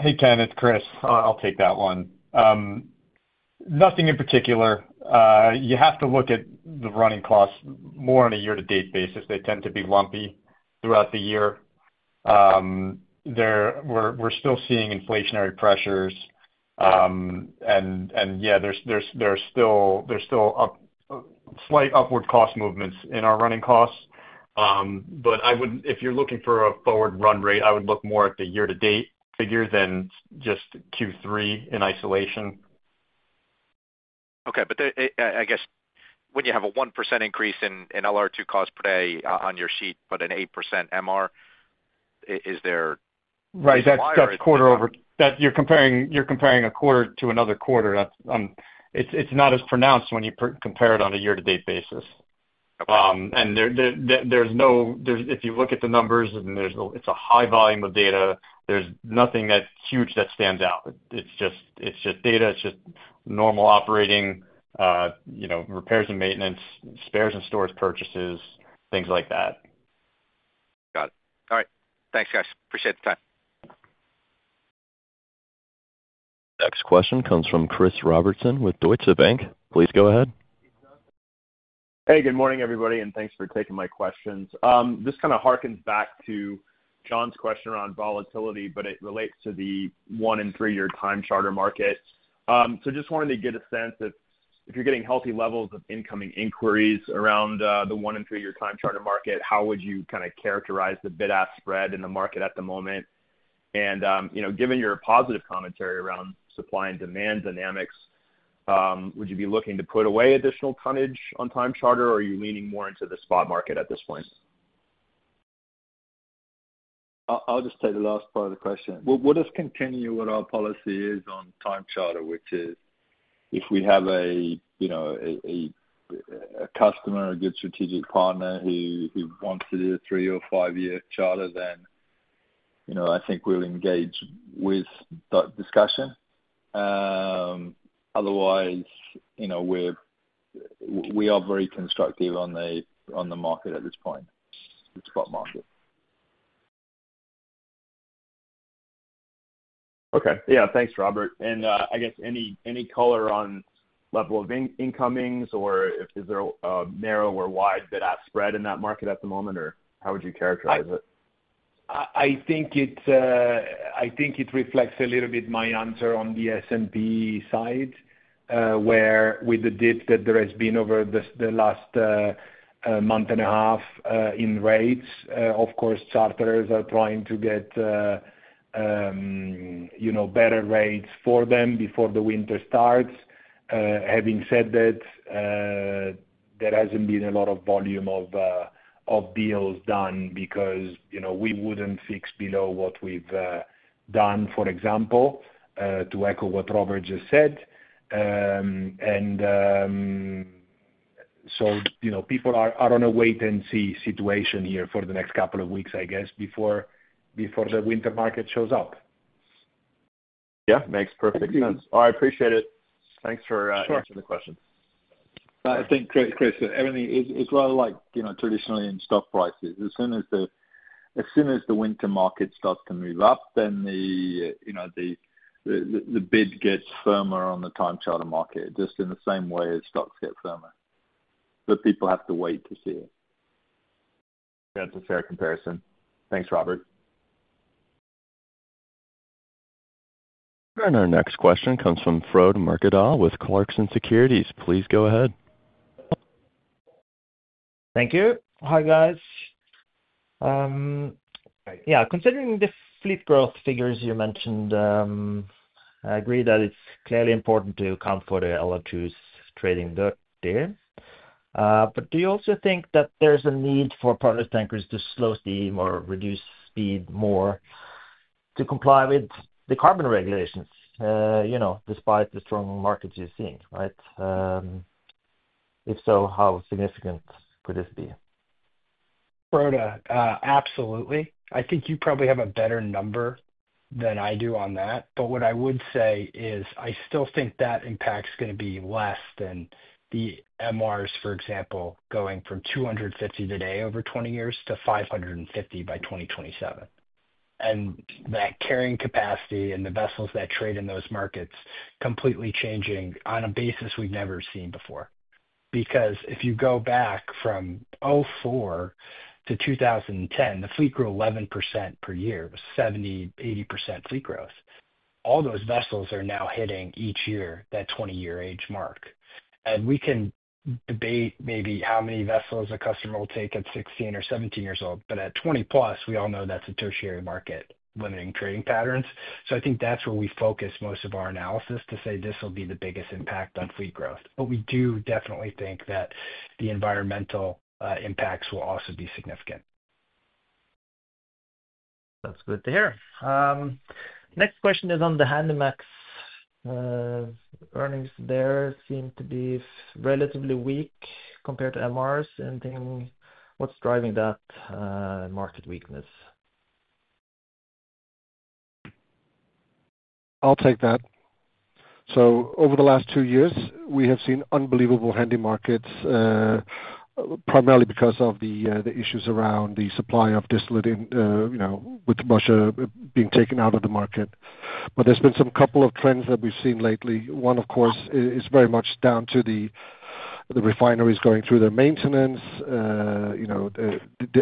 Hey, Ken. It's Chris. I'll take that one. Nothing in particular. You have to look at the running costs more on a year-to-date basis. They tend to be lumpy throughout the year. We're still seeing inflationary pressures. And yeah, there's still slight upward cost movements in our running costs. But if you're looking for a forward run rate, I would look more at the year-to-date figure than just Q3 in isolation. Okay, but I guess when you have a 1% increase in LR2 cost per day on your sheet but an 8% MR, is there a wide gap? Right. That's quarter over. You're comparing a quarter to another quarter. It's not as pronounced when you compare it on a year-to-date basis, and if you look at the numbers, it's a high volume of data. There's nothing that huge that stands out. It's just data. It's just normal operating, repairs and maintenance, spares and storage purchases, things like that. Got it. All right. Thanks, guys. Appreciate the time. Next question comes from Chris Robertson with Deutsche Bank. Please go ahead. Hey, good morning, everybody, and thanks for taking my questions. This kind of hearkens back to John's question around volatility, but it relates to the one and three-year time charter market. So just wanted to get a sense if you're getting healthy levels of incoming inquiries around the one and three-year time charter market, how would you kind of characterize the bid-ask spread in the market at the moment? And given your positive commentary around supply and demand dynamics, would you be looking to put away additional tonnage on time charter, or are you leaning more into the spot market at this point? I'll just take the last part of the question. We'll just continue what our policy is on time charter, which is if we have a customer or a good strategic partner who wants to do a three-year or five-year charter, then I think we'll engage with that discussion. Otherwise, we are very constructive on the market at this point, the spot market. Okay. Yeah. Thanks, Robert. I guess any color on level of incomings, or is there a narrow or wide bid-ask spread in that market at the moment, or how would you characterize it? I think it reflects a little bit my answer on the S&P side, where with the dip that there has been over the last month and a half in rates, of course, charters are trying to get better rates for them before the winter starts. Having said that, there hasn't been a lot of volume of deals done because we wouldn't fix below what we've done, for example, to echo what Robert just said, and so people are on a wait-and-see situation here for the next couple of weeks, I guess, before the winter market shows up. Yeah. Makes perfect sense. All right. Appreciate it. Thanks for answering the question. I think, Chris, it's rather like traditionally in stock prices. As soon as the winter market starts to move up, then the bid gets firmer on the time charter market, just in the same way as stocks get firmer. But people have to wait to see it. That's a fair comparison. Thanks, Robert. Our next question comes from Frode Morkedal with Clarksons Securities. Please go ahead. Thank you. Hi, guys. Yeah. Considering the fleet growth figures you mentioned, I agree that it's clearly important to account for the LR2s trading there. But do you also think that there's a need for product tankers to slow steam or reduce speed more to comply with the carbon regulations despite the strong markets you're seeing, right? If so, how significant could this be? Frode, absolutely. I think you probably have a better number than I do on that. But what I would say is I still think that impact's going to be less than the MRs, for example, going from 250 today over 20 years to 550 by 2027, and that carrying capacity and the vessels that trade in those markets completely changing on a basis we've never seen before. Because if you go back from 2004 to 2010, the fleet grew 11% per year. It was 70%-80% fleet growth. All those vessels are now hitting each year that 20-year age mark, and we can debate maybe how many vessels a customer will take at 16 or 17 years old, but at 20+, we all know that's a tertiary market limiting trading patterns. So I think that's where we focus most of our analysis to say this will be the biggest impact on fleet growth. But we do definitely think that the environmental impacts will also be significant. That's good to hear. Next question is on the Handymax. Earnings there seem to be relatively weak compared to MRs. Anything? What's driving that market weakness? I'll take that. So over the last two years, we have seen unbelievable handy markets, primarily because of the issues around the supply of distillate with Russia being taken out of the market. But there's been some couple of trends that we've seen lately. One, of course, is very much down to the refineries going through their maintenance, the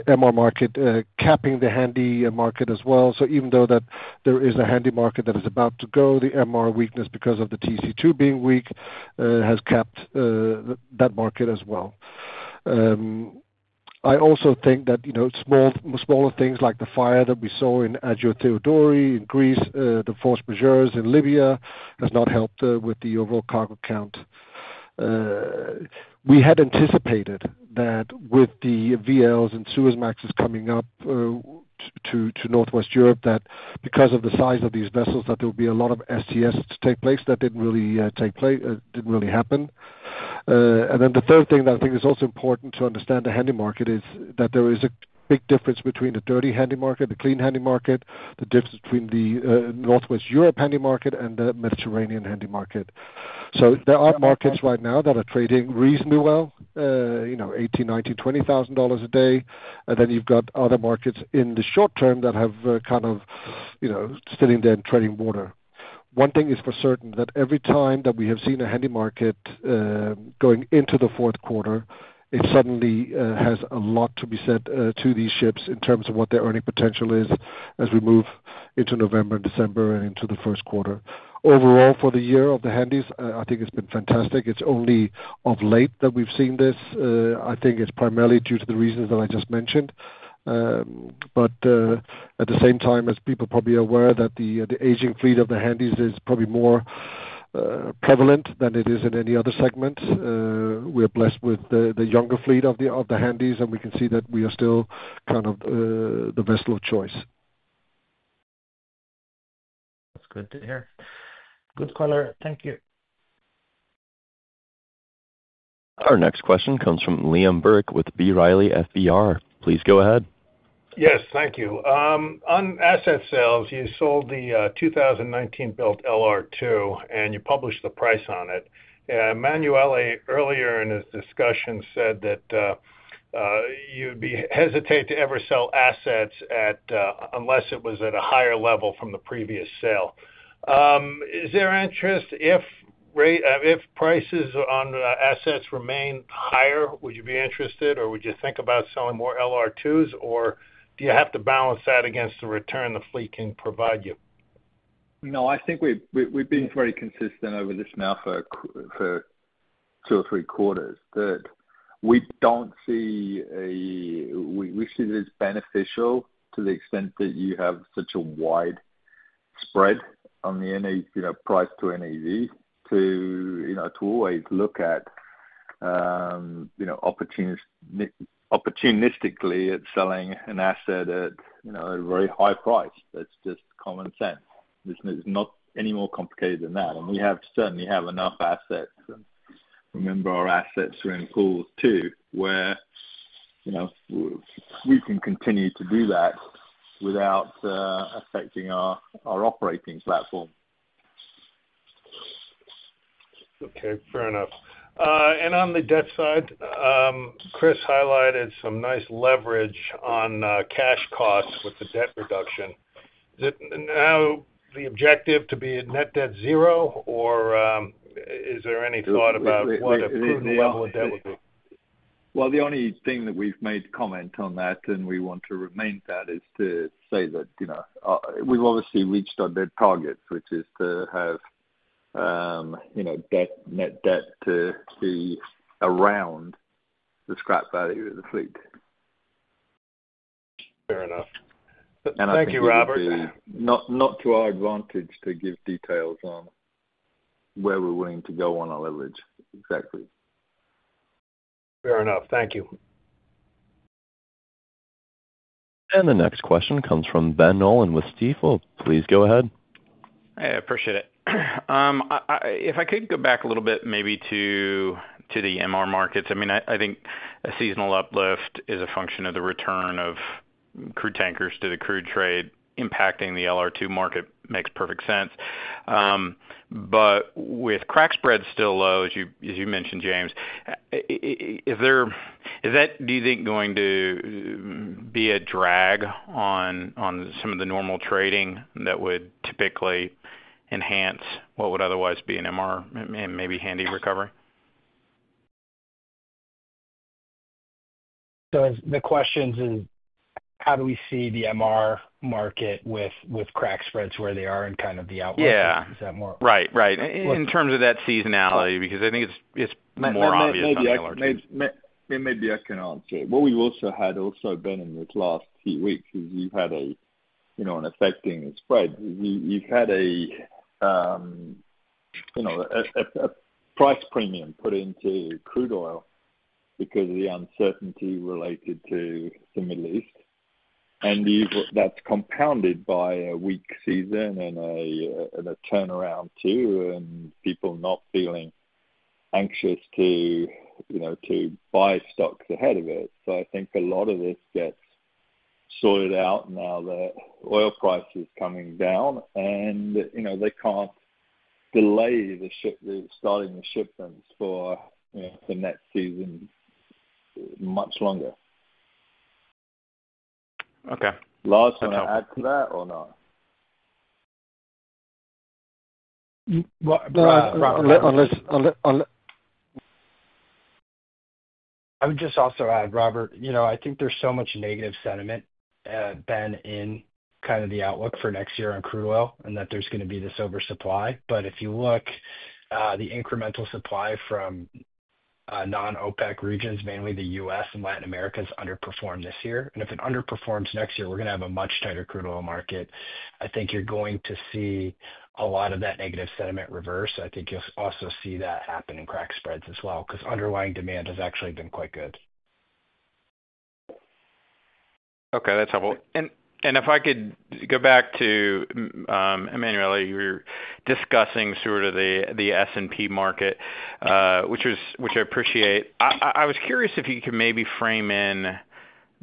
MR market capping the handy market as well. So even though there is a handy market that is about to go, the MR weakness because of the TC2 being weak has capped that market as well. I also think that smaller things like the fire that we saw in Agioi Theodoroi in Greece, the force majeure in Libya has not helped with the overall cargo count. We had anticipated that with the VLs and Suezmaxes coming up to Northwest Europe, that because of the size of these vessels, that there would be a lot of STS to take place that didn't really take place, didn't really happen, and then the third thing that I think is also important to understand the handy market is that there is a big difference between the dirty handy market, the clean handy market, the difference between the Northwest Europe handy market and the Mediterranean handy market, so there are markets right now that are trading reasonably well, $18,000, $19,000, $20,000 a day, and then you've got other markets in the short term that have kind of sitting there and treading water. One thing is for certain that every time that we have seen a handy market going into the fourth quarter, it suddenly has a lot to be said for these ships in terms of what their earning potential is as we move into November and December and into the first quarter. Overall, for the year of the handies, I think it's been fantastic. It's only of late that we've seen this. I think it's primarily due to the reasons that I just mentioned. But at the same time, as people are probably aware, that the aging fleet of the handies is probably more prevalent than it is in any other segment. We're blessed with the younger fleet of the handies, and we can see that we are still kind of the vessel of choice. That's good to hear. Good color. Thank you. Our next question comes from Liam Burke with B. Riley FBR. Please go ahead. Yes. Thank you. On asset sales, you sold the 2019-built LR2, and you published the price on it. Emanuele, earlier in his discussion, said that you'd be hesitant to ever sell assets unless it was at a higher level from the previous sale. Is there interest if prices on assets remain higher? Would you be interested, or would you think about selling more LR2s, or do you have to balance that against the return the fleet can provide you? No, I think we've been very consistent over this now for two or three quarters that we see that it's beneficial to the extent that you have such a wide spread on the price to NAV to always look at opportunistically at selling an asset at a very high price. That's just common sense. It's not any more complicated than that. And we certainly have enough assets. Remember, our assets are in pools too, where we can continue to do that without affecting our operating platform. Okay. Fair enough. On the debt side, Chris highlighted some nice leverage on cash costs with the debt reduction. Is it now the objective to be net debt zero, or is there any thought about what a prudent level of debt would be? The only thing that we've made comment on that, and we want to remain that, is to say that we've obviously reached our debt targets, which is to have net debt be around the scrap value of the fleet. Fair enough. Thank you, Robert. Not to our advantage to give details on where we're willing to go on our leverage, exactly. Fair enough. Thank you. The next question comes from Ben Nolan with Stifel. Please go ahead. Hey, I appreciate it. If I could go back a little bit maybe to the MR markets, I mean, I think a seasonal uplift is a function of the return of crude tankers to the crude trade impacting the LR2 market makes perfect sense. But with crack spreads still low, as you mentioned, James, is that, do you think, going to be a drag on some of the normal trading that would typically enhance what would otherwise be an MR and maybe handy recovery? So the question is, how do we see the MR market with crack spreads where they are and kind of the outlook? Is that more? Yeah. Right. Right. In terms of that seasonality, because I think it's more obvious on the LR2. Maybe I can answer it. What we've also had, also Ben in this last few weeks, is you've had an affecting spread. You've had a price premium put into crude oil because of the uncertainty related to the Middle East. And that's compounded by a weak season and a turnaround too, and people not feeling anxious to buy stocks ahead of it. So I think a lot of this gets sorted out now that oil price is coming down, and they can't delay starting the shipments for the next season much longer. Okay. Last one to add to that or no? I would just also add, Robert, I think there's so much negative sentiment, Ben, in kind of the outlook for next year on crude oil and that there's going to be this oversupply. But if you look, the incremental supply from non-OPEC regions, mainly the U.S. and Latin America, has underperformed this year. And if it underperforms next year, we're going to have a much tighter crude oil market. I think you're going to see a lot of that negative sentiment reverse. I think you'll also see that happen in crack spreads as well because underlying demand has actually been quite good. Okay. That's helpful. And if I could go back to Emanuele, you were discussing sort of the S&P market, which I appreciate. I was curious if you could maybe frame in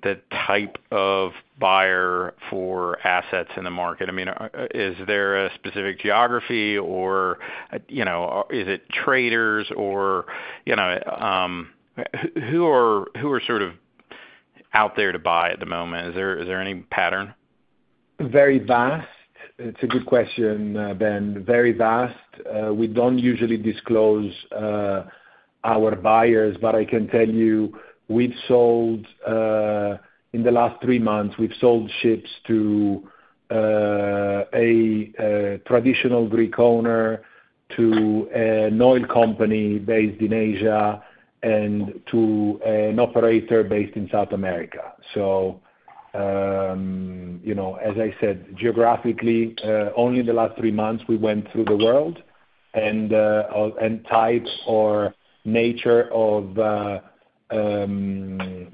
the type of buyer for assets in the market. I mean, is there a specific geography or is it traders or who are sort of out there to buy at the moment? Is there any pattern? Very vast. It's a good question, Ben. Very vast. We don't usually disclose our buyers, but I can tell you we've sold in the last three months, we've sold ships to a traditional Greek owner to an oil company based in Asia and to an operator based in South America. So as I said, geographically, only in the last three months, we went through the world, and type or nature of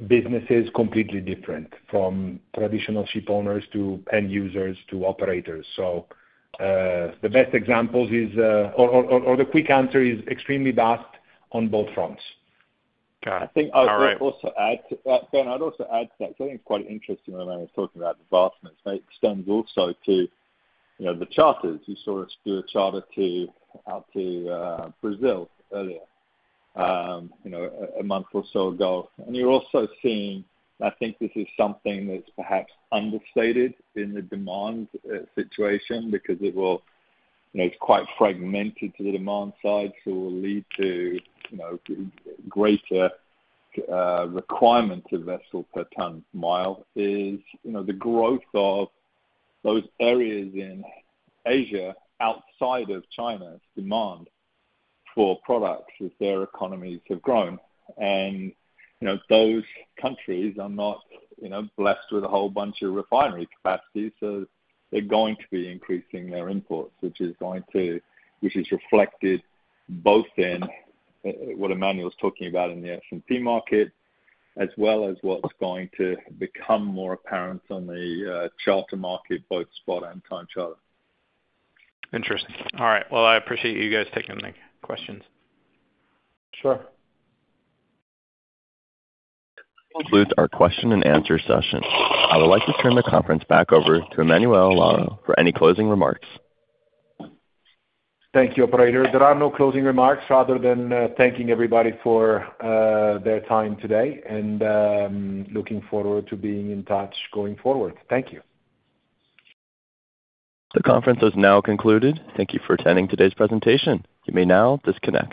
business is completely different from traditional ship owners to end users to operators. So the best examples is or the quick answer is extremely vast on both fronts. Got it. I think I'll also add to that. Ben, I'll also add to that because I think it's quite interesting when I was talking about advancements. That extends also to the charters. You saw us do a charter out to Brazil earlier a month or so ago. And you're also seeing, I think this is something that's perhaps understated in the demand situation because it will it's quite fragmented to the demand side, so it will lead to greater requirement to vessel per ton-mile. Is the growth of those areas in Asia outside of China's demand for products as their economies have grown. Those countries are not blessed with a whole bunch of refinery capacity, so they're going to be increasing their imports, which is reflected both in what Emanuele's talking about in the S&P market as well as what's going to become more apparent on the charter market, both spot and time charter. Interesting. All right. Well, I appreciate you guys taking the questions. Sure. This concludes our question-and-answer session. I would like to turn the conference back over to Emanuele Lauro for any closing remarks. Thank you, Operator. There are no closing remarks rather than thanking everybody for their time today and looking forward to being in touch going forward. Thank you. The conference has now concluded. Thank you for attending today's presentation. You may now disconnect.